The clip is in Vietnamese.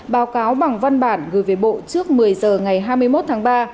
báo cáo bằng văn bản gửi về bộ trước một mươi h ngày hai mươi một tháng ba